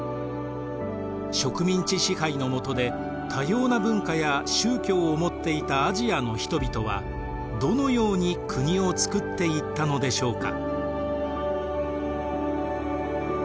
植民地支配のもとで多様な文化や宗教を持っていたアジアの人々はどのように国をつくっていったのでしょうか。